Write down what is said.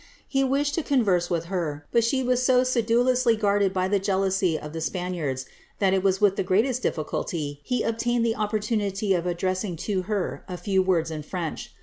He wished to converse with her, but she was so sedulously guarded by the jealousy of the Spaniards, that it was with the greatest difficulty he obtained the opportunity of addressing to her a few words in French.